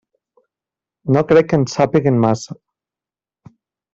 No crec que en sàpiguen massa.